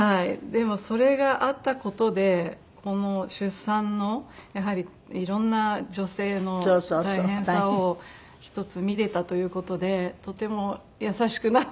でもそれがあった事でこの出産のやはりいろんな女性の大変さを１つ見れたという事でとても優しくなったんじゃないんですかね